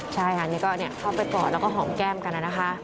ใช่ค่ะนี่ก็เข้าไปกอดแล้วก็หอมแก้มกันนะคะ